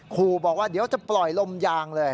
ครูบอกว่าเดี๋ยวจะปล่อยลมยางเลย